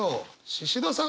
シシドさん